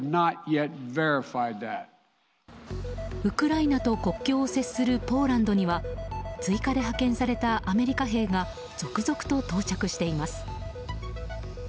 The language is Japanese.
ウクライナと国境を接するポーランドには追加で派遣されたアメリカ兵が続々と到着しています。